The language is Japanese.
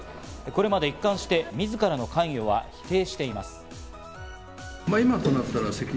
これまで一貫して、自らの関与は否定しています。